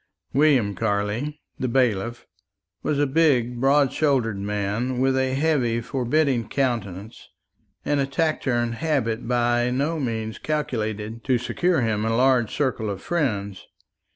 William Carley, the bailiff, was a big broad shouldered man, with a heavy forbidding countenance, and a taciturn habit by no means calculated to secure him a large circle of friends.